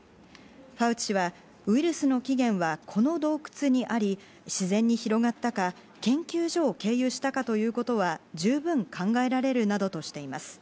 ファウチ氏はウイルスの起源は、この洞窟にあり、自然に広がったか研究所を経由したかということは十分考えられるなどとしています。